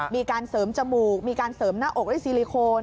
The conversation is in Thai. มีการเสริมจมูกมีการเสริมหน้าอกด้วยซิลิโคน